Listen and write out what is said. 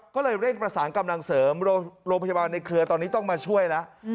ก็เลยเร่งประสานกำลังเสริมโรงพยาบาลในเครือตอนนี้ต้องมาช่วยแล้ว